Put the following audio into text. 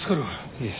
いえ。